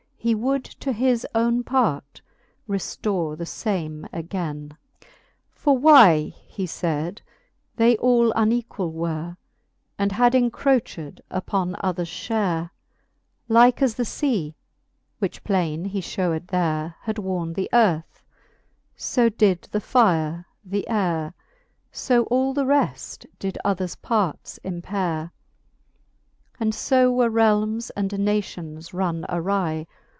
He would to his owne part reftore the fame againe. XXXII. For why, he fayd, they all unequall were, And had encroched upon others fliafe ; Like as the fea (which plaine he fhewed there) Had worne the earth ; fo did the fire the aire, So all the reft did others parts empaire. And fo were realmes and nations run awry.